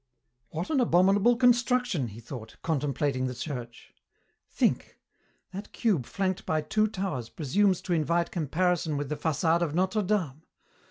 "What an abominable construction," he thought, contemplating the church. "Think. That cube flanked by two towers presumes to invite comparison with the façade of Notre Dame.